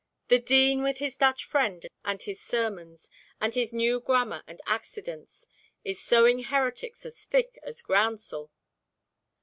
"The Dean with his Dutch friend and his sermons, and his new grammar and accidence, is sowing heretics as thick as groundsel."